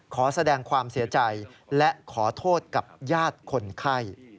ขอแสดงความเสียใจและขอโทษกับญาติคนไข้